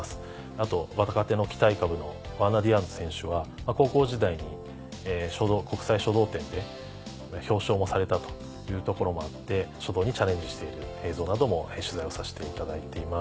あと若手の期待株のワーナー・ディアンズ選手は高校時代に国際書道展で表彰もされたというところもあって書道にチャレンジしている映像なども取材をさせていただいています。